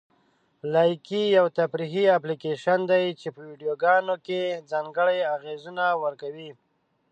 لایکي یو تفریحي اپلیکیشن دی چې په ویډیوګانو کې ځانګړي اغېزونه ورکوي.